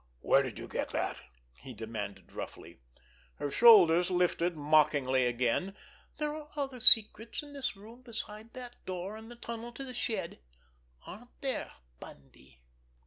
"Where did you get that?" he demanded roughly. Her shoulders lifted mockingly again. "There are other secrets in this room besides that door and the tunnel to the shed, aren't there—Bundy?"